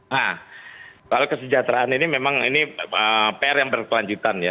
nah soal kesejahteraan ini memang ini pr yang berkelanjutan ya